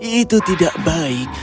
itu tidak baik